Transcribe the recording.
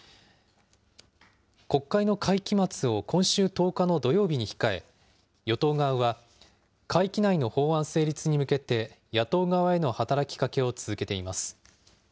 国会の会期末を今週１０日の土曜日に控え、与党側は、会期内の法案成立に向けて、野党側への働きかけを続けています。